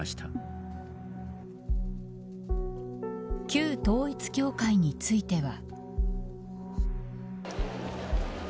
旧統一教会については。